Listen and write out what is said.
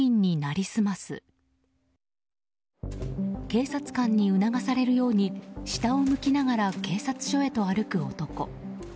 警察官に促されるように下を向きながら警察署へと歩く男。